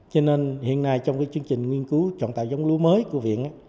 cho nên hiện nay trong chương trình nghiên cứu trọng tạo giống lúa mới của viện